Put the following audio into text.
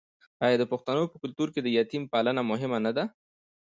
آیا د پښتنو په کلتور کې د یتیم پالنه مهمه نه ده؟